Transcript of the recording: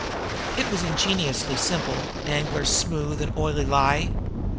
It was ingeniously simple, Danglar's smooth and oily lie!